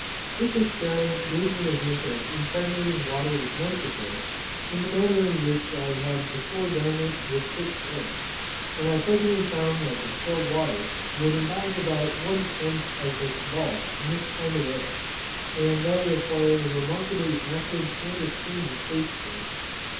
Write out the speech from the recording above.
This experiment gave me the hint of impregnating water with nitrous air, in the manner in which I had before done it with fixed air; and I presently found that distilled water would imbibe about one tenth of its bulk of this kind of air, and that it acquired a remarkably acid and astringent taste from it.